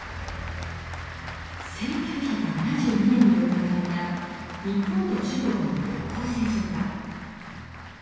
１９７２年に行われた日本と中国の国交正常化。